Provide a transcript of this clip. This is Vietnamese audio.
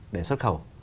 để xuất khẩu